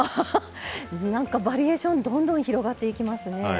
なんかバリエーションどんどん広がっていきますね。